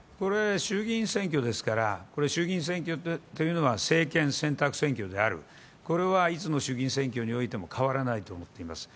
衆議院選挙ですから、政権選択選挙であるこれはいつの衆議院選挙においても変わらないと思っています。